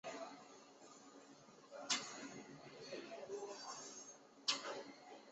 金义东线是浙中城市群轨道交通的第一条线路。